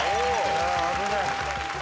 危ない。